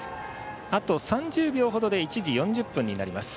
あと３０秒ほどで１時４０分になります。